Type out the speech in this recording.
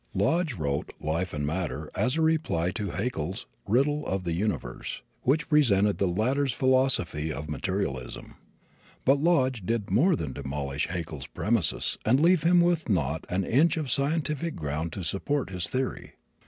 Lodge wrote Life and Matter as a reply to Haeckel's Riddle of the Universe, which presented the latter's philosophy of materialism. But Lodge did more than demolish Haeckel's premises and leave him with not an inch of scientific ground to support his theory.